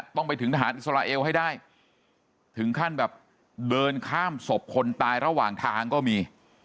ต้องไปถึงทหารอิสราเอลให้ได้ถึงขั้นแบบเดินข้ามศพคนตายระหว่างทางก็มี